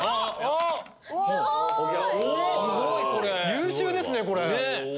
優秀ですねこれ。